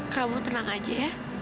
kamu tenang aja ya